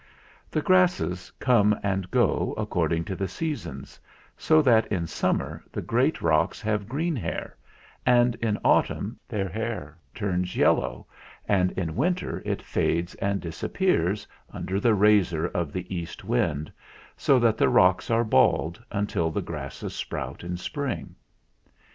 90 DE QUINCEY 91 The grasses come and go according to the sea sons, so that in Summer the great rocks have green hair, and in Autumn their hair turns yel low, and in Winter it fades and disappears under the razor of the east wind, so that the rocks are bald until the grasses sprout in Spring.